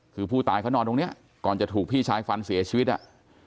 คือผู้ตายเขานอนตรงเนี้ยก่อนจะถูกพี่ชายฟันเสียชีวิตอ่ะ